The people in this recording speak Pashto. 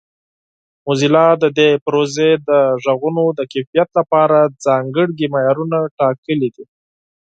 موزیلا د دې پروژې د غږونو د کیفیت لپاره ځانګړي معیارونه ټاکلي دي.